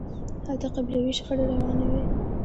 هلته قبیلوي شخړې روانې وي.